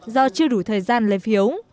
do chưa đủ thời gian lấy phiếu